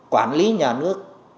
quản lý nhà nước